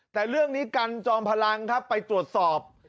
แต่เรื่องนี้กันจอมพลังครับไปตรวจสอบ